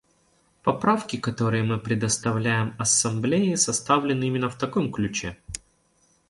Поправки, которые мы представляем Ассамблее, составлены именно в таком ключе.